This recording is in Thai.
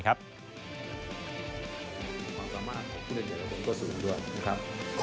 ความสามารถของพี่นักเกียรติก็สูงด้วยครับ